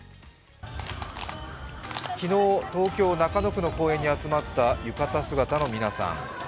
昨日、東京・中野区の公園に集まった浴衣姿の皆さん。